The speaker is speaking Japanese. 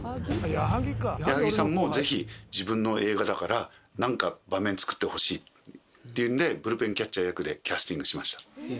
矢作さんもぜひ、自分の映画だから、なんか場面作ってほしいっていうんで、ブルペンキャッチャー役でキャスティングしました。